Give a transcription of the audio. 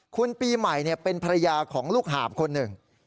คุณปีใหม่เป็นภรรยาของลูกหาบคนหนึ่ง